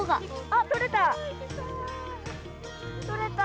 あっ、取れた！